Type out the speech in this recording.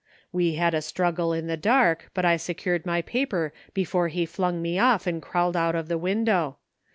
We had a struggle in the dark, but I secured my paper before he flung me off and crawled out of the window.